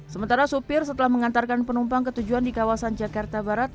sementara supir setelah mengantarkan penumpang ke tujuan di kawasan jakarta barat